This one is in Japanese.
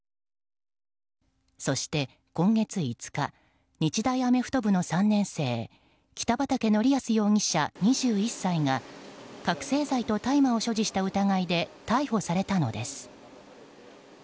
そして、今月５日日大アメフト部の３年生北畠成文容疑者、２１歳が覚醒剤と大麻を所持した疑いで逮捕されたのです。